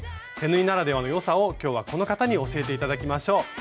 手縫いならではの良さを今日はこの方に教えて頂きましょう。